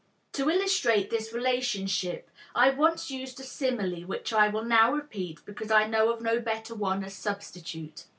To illustrate this relationship, I once used a simile which I will now repeat because I know of no better one as substitute.